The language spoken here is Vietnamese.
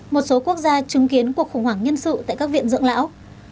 một số quốc gia chứng kiến cuộc khủng hoảng nhân sự tại các viện dưỡng lão